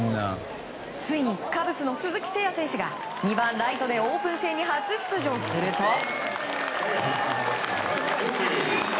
ついにカブスの鈴木誠也選手が２番ライトでオープン戦に初出場すると。